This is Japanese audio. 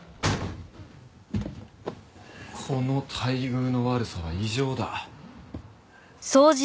この待遇の悪さは異常だ。